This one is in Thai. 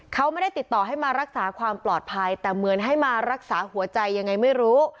เขาไม่ได้ติดต่อให้มารักษาความปลอดภัยแต่เหมือนให้มารักษาหัวใจยังไงไม่รู้